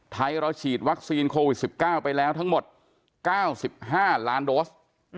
เราฉีดวัคซีนโควิด๑๙ไปแล้วทั้งหมด๙๕ล้านโดส